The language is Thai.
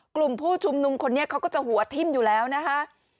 กลุ่มผู้ชุมนุมคนนี้เขาก็จะหัวทิ้มอยู่แล้วนะคะ